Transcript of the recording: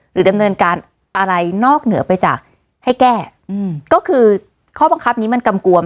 ดำเนินการอะไรนอกเหนือไปจากให้แก้ก็คือข้อบังคับนี้มันกำกวม